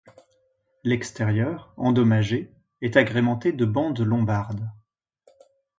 L'extérieur, endommagé, est agrémenté de bandes lombardes.